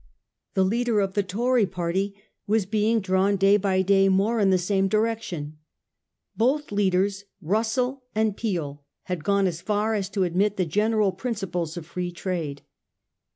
The leader of the Tory party was being drawn day by day more in the same direction. Both leaders, Russell and Peel, had gone so far as to admit the general principle of Free Trade.